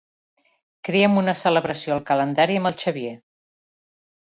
Crea'm una celebració al calendari amb el Xavier.